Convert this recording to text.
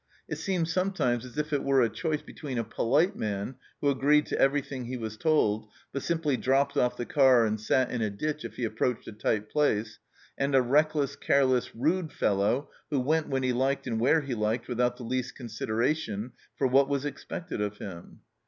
It seemed sometimes as if it were a choice between a polite man who agreed to every thing he was told, but simply dropped off the car and sat in a ditch if he approached a tight place, and a reckless, careless, rude fellow who went when he liked and where he liked without the least consideration for what was expected of him.